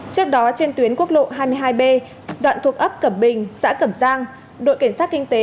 trước đó trên tuyến quốc lộ hai mươi hai b đoạn thuộc ấp cẩm bình xã cẩm giang đội cảnh sát kinh tế